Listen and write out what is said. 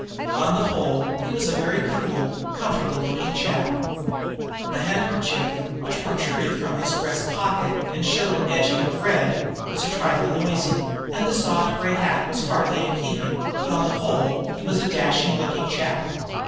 On the whole he was a very cool, comfortable looking chap. The handkerchief, which protruded from his breast pocket and showed an edging of red, was a trifle noisy; and the soft gray hat was hardly in keeping, but, on the whole, he was a dashing looking chap.